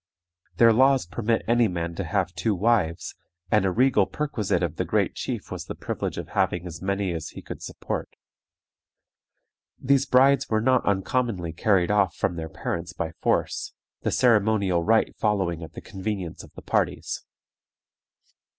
Their laws permit any man to have two wives, and a regal perquisite of the great chief was the privilege of having as many as he could support. These brides were not uncommonly carried off from their parents by force, the ceremonial rite following at the convenience of the parties.